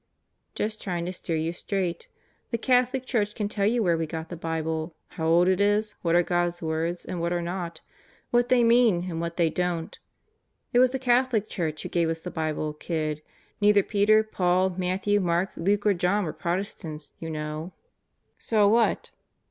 "Just trying to steer you straight. The Catholic Church can tell you where we got the Bible; how old it is; what are God's words and what are not; what they mean and what they don't. It was the Catholic Church who gave us the Bible, kid. Neither Peter, Paul, Matthew, Mark, Luke, or John were Protestants, you know." "So what?"